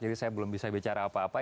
jadi saya belum bisa bicara apa apa